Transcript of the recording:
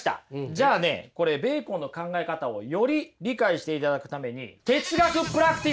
じゃあねこれベーコンの考え方をより理解していただくために哲学プラクティスです！